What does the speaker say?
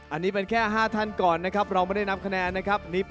อันนี้เป็นแค่๕ท่านก่อนนะครับเราไม่ได้นับคะแนนนะครับ